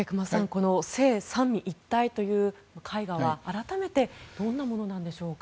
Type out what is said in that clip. この「聖三位一体」という絵画は改めてどんなものなんでしょうか。